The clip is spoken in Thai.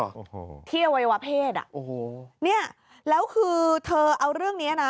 โอ้โหที่อวัยวะเพศอ่ะโอ้โหเนี้ยแล้วคือเธอเอาเรื่องเนี้ยนะ